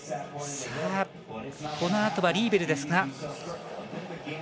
このあとリーベルですが。